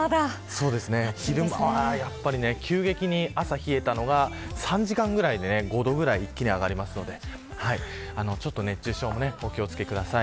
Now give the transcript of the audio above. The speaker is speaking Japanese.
昼間は急激に朝冷えたのが、３時間ぐらいで５度ぐらい一気に上がりますので熱中症もお気を付けください。